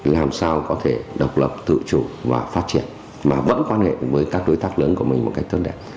làm sao có thể độc lập tự chủ và phát triển mà vẫn quan hệ với các đối tác lớn của mình một cách tốt đẹp